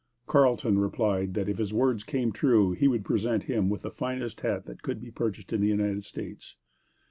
Carleton replied that if his words came true, he would present him with the finest hat that could be purchased in the United States.